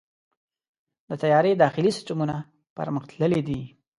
د طیارې داخلي سیستمونه پرمختللي دي.